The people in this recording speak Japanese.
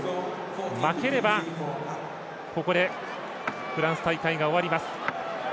負ければ、ここでフランス大会が終わります。